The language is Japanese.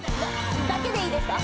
だけでいいですか？